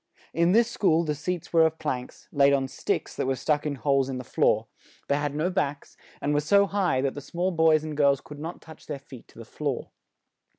In this school the seats were of planks, laid on sticks that were stuck in holes in the floor; they had no backs; and were so high that the small boys and girls could not touch their feet to the floor.